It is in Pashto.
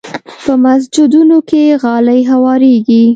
په مسجدونو کې غالۍ هوارېږي.